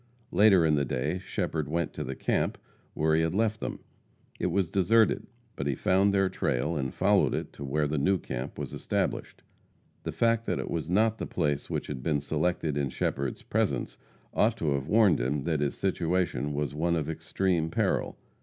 Later in the day Shepherd went to the camp, where he had left them. It was deserted, but he found their trail, and followed it to where the new camp was established. The fact that it was not the place which had been selected in Shepherd's presence ought to have warned him that his situation was one of extreme peril.